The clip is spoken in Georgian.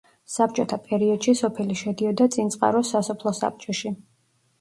საბჭოთა პერიოდში სოფელი შედიოდა წინწყაროს სასოფლო საბჭოში.